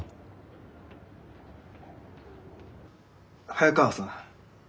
早川さん